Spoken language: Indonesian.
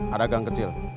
ada gang kecil